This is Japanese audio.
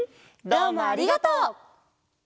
どうもありがとう！